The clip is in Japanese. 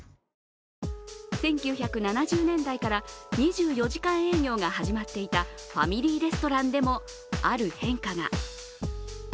１９７０年代から２４時間営業が始まっていたファミリーレストランでも、ある変化が。